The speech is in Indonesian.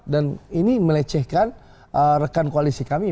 dan ini melecehkan rekan koalisi kami